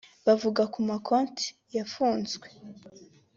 Bavuga ku makonti yafunzwe